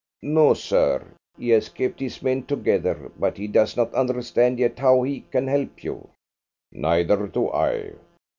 "No, sir. He has kept his men together, but he does not understand yet how he can help you." "Neither do I.